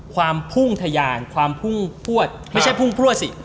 ความพุ่งทะยานความพุ่งพลวดไม่ใช่พุ่งพลวดสิ